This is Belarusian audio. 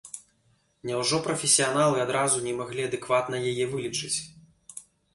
Няўжо прафесіяналы адразу не маглі адэкватна яе вылічыць?